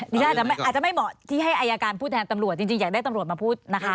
ดิฉันอาจจะไม่เหมาะที่ให้อายการพูดแทนตำรวจจริงอยากได้ตำรวจมาพูดนะคะ